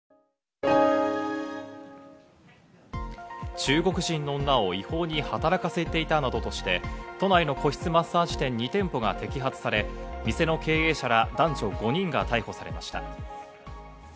中国人の女を違法に働かせていたなどとして都内の個室マッサージ店２店舗が摘発され、店の経営者ら男女５人が逮捕されました。